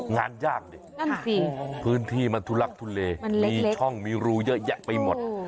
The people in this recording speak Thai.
งานยากดิพื้นที่มันทุลักทุเลมันมีช่องมีรูเยอะแยะไปหมด